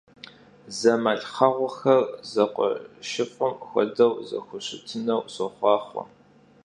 Zemalhxheğuxer zekhueşşıf'ım xuedeu zexuşıtınxeu soxhuaxhue!